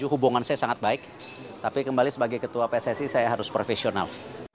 hubungan saya sangat baik tapi kembali sebagai ketua pssi saya harus profesional